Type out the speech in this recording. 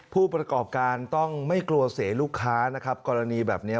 ผู้ประกอบการต้องไม่กลัวเสียลูกค้านะครับกรณีแบบนี้